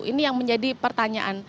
ini yang menjadi pertanyaan